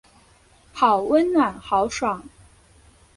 好温暖好爽